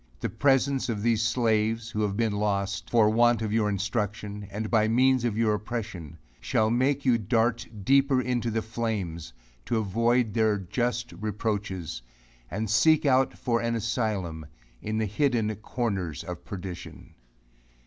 The presence of these slaves, who have been lost, for want of your instruction, and by means of your oppression, shall make you dart deeper into the flames, to avoid their just reproaches, and seek out for an asylum, in the hidden corners of perdition.